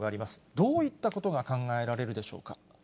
どういったことが考えられるでしょうか。